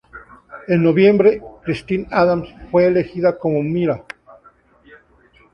En noviembre, Christine Adams fue elegida como Mira.